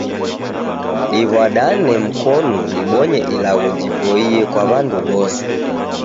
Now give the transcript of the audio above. Ditw'adane mkonu dibonye ilagho jiboie kwa w'andu w'ose